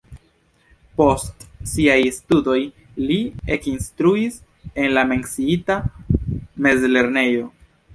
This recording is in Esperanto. Post siaj studoj li ekinstruis en la menciita mezlernejo.